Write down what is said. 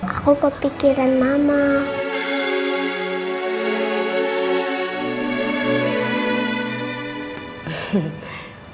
aku kepikiran mama